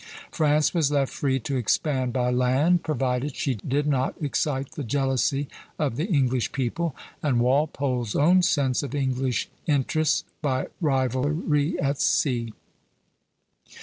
France was left free to expand by land, provided she did not excite the jealousy of the English people, and Walpole's own sense of English interests, by rivalry at sea.